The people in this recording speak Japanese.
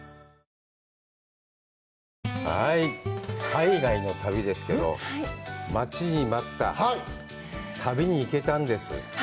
海外の旅ですけど、待ちに待った、旅に行けたんです。